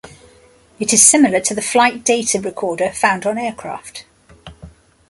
It is similar to the flight data recorder found on aircraft.